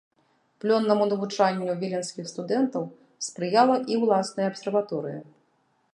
Плённаму навучанню віленскіх студэнтаў спрыяла і ўласная абсерваторыя.